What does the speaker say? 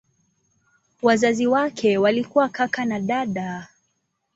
Wazazi wake walikuwa kaka na dada.